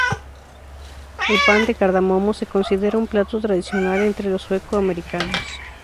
El pan de cardamomo se considera un plato tradicional entre los sueco-americanos.